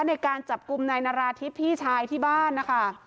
ในการจับกลุ่มนายนาราธิบพี่ชายที่บ้านนะคะ